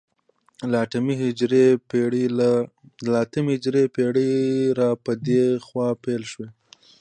له اتمې هجرې پېړۍ را په دې خوا پیل شوی دی